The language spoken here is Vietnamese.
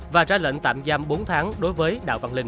và ra lệnh tạm giam bốn tháng đối với đạo văn linh